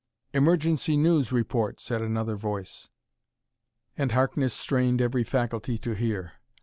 "Emergency news report," said another voice, and Harkness strained every faculty to hear.